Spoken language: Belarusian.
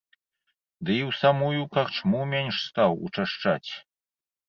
Ды і ў самую карчму менш стаў учашчаць.